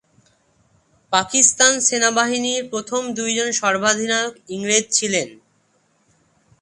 পাকিস্তান সেনাবাহিনীর প্রথম দুইজন সর্বাধিনায়ক ইংরেজ ছিলেন।